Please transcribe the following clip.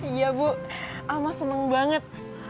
iya bu amah seneng banget